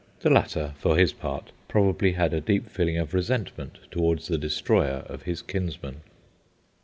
The latter, for his part, probably had a deep feeling of resentment towards the destroyer of his kinsman.